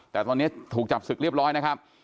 แต่ตอนนี้ถูกจับศึกเรียบร้อยนะครับ